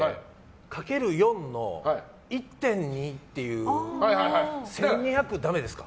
かける４の１．２っていう１２００だめですか？